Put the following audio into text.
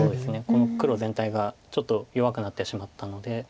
この黒全体がちょっと弱くなってしまったので。